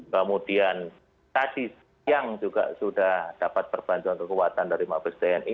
kemudian tadi siang juga sudah dapat perbantuan kekuatan dari mabes tni